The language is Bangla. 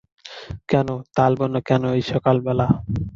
কেন, তালবনে কেন এই সকালবেলা?